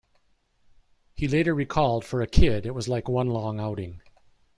He later recalled, For a kid, it was like one long outing.